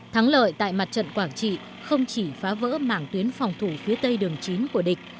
thắng lợi tại mặt trận quảng trị không chỉ phá vỡ mảng tuyến phòng thủ phía tây đường chín của địch